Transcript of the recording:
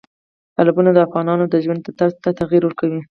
تالابونه د افغانانو د ژوند طرز ته تغیر ورکوي.